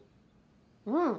うん！